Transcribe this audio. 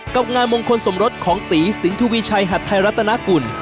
งานมงคลสมรสของตีสินทวีชัยหัดไทยรัฐนากุล